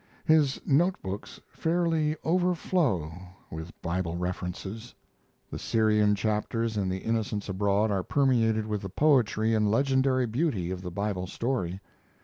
His note books fairly overflow with Bible references; the Syrian chapters in The Innocents Abroad are permeated with the poetry and legendary beauty of the Bible story.